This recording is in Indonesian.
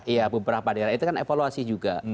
iya beberapa daerah itu kan evaluasi juga